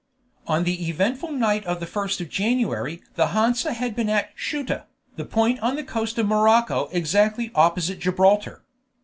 On the eventful night of the 1st of January the Hansa had been at Ceuta, the point on the coast of Morocco exactly opposite Gibraltar.